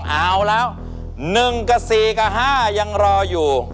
เอาละ๑กับ๔กับ๕ยังรออยู่